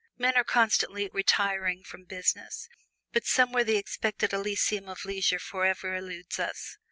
Men are constantly "retiring" from business, but someway the expected Elysium of leisure forever eludes us.